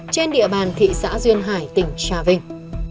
trên địa bàn thị xã duyên hải tỉnh trà vinh